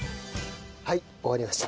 はい終わりました。